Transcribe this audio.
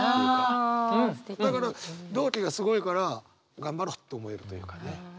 だから同期がすごいから頑張ろうって思えるというかね。